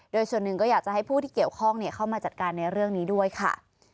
โดยส่วนหนึ่งก็อยากจะให้ผู้ที่เกี่ยวข้องเข้ามาจัดการในเรื่องนี้ด้วยค่ะ